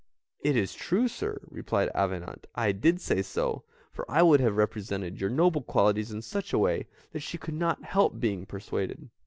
"It is true, sir," replied Avenant, "I did say so, for I would have represented your noble qualities in such a way, that she could not help being persuaded."